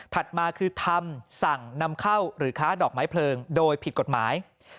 มาคือทำสั่งนำเข้าหรือค้าดอกไม้เพลิงโดยผิดกฎหมาย